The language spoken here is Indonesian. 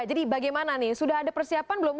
jadi bagaimana nih sudah ada persiapan belum